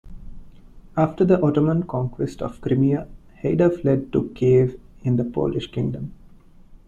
After the Ottoman conquest of Crimea, Hayder fled to Kiev in the Polish Kingdom.